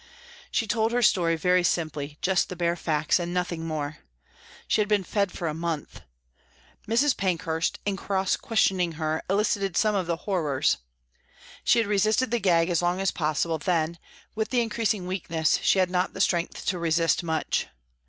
She told her story very simply, just the bare facts and nothing more. She had been fed for a month. Mrs. Pankhurst, in cross questioning her, elicited some of the horrors. She had resisted the gag as long as possible, then, with the increasing weakness, she had not the strength to resist much.